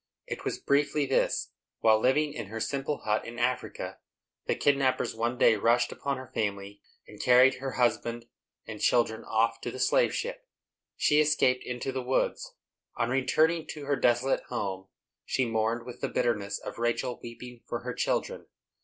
It was briefly this: While living in her simple hut in Africa, the kidnappers one day rushed upon her family, and carried her husband and children off to the slave ship, she escaping into the woods. On returning to her desolate home, she mourned with the bitterness of "Rachel weeping for her children."